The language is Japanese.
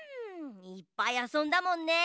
いっぱいあそんだもんね。